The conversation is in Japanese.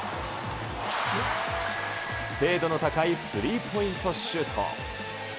精度の高いスリーポイントシュート。